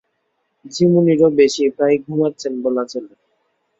ঝিমুনিরও বেশি, প্রায় ঘুমাচ্ছেন বলা চলে।